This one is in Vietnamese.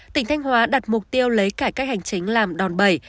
tỉnh thanh hóa đặt mục tiêu lấy cải cách hành chính làm đòn bẩy